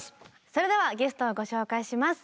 それではゲストをご紹介します。